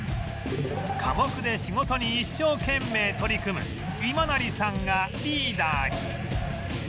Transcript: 寡黙で仕事に一生懸命取り組む今成さんがリーダーに